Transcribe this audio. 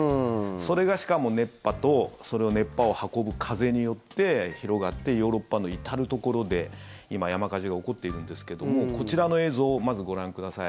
それが、しかも熱波とその熱波を運ぶ風によって広がってヨーロッパの至るところで今、山火事が起こっているんですけどもこちらの映像をまずご覧ください。